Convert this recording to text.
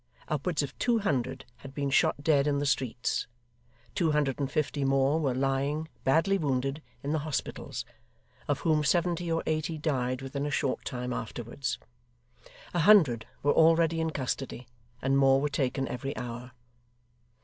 Upwards of two hundred had been shot dead in the streets. Two hundred and fifty more were lying, badly wounded, in the hospitals; of whom seventy or eighty died within a short time afterwards. A hundred were already in custody, and more were taken every hour.